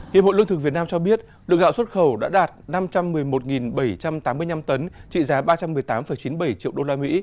hiệp hội lương thực việt nam cho biết lượng gạo xuất khẩu đã đạt năm trăm một mươi một bảy trăm tám mươi năm tấn trị giá ba trăm một mươi tám chín mươi bảy triệu usd